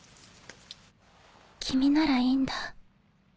君ならいいんだ。